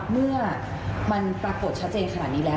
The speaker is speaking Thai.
เมื่อมันปรากฏชัดเจนขนาดนี้แล้ว